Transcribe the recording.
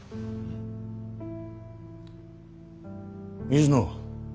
水野。